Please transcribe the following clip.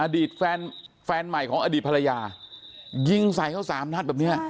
แฟนแฟนใหม่ของอดีตภรรยายิงใส่เขาสามนัดแบบนี้